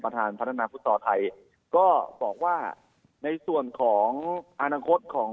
ประธานพัฒนาพุทธศาลไทยก็บอกว่าในส่วนของอาณาคตของ